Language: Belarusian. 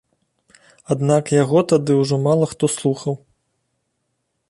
Аднак яго тады ўжо мала хто слухаў.